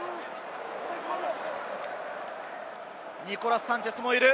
ニコラス・サンチェスもいる。